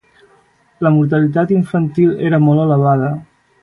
La mortalitat infantil era molt elevada.